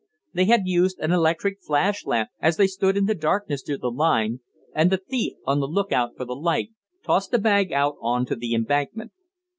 They had used an electric flash lamp as they stood in the darkness near the line, and the thief, on the look out for the light, tossed the bag out on to the embankment.